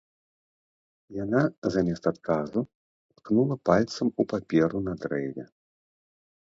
Яна, замест адказу, ткнула пальцам у паперу на дрэве.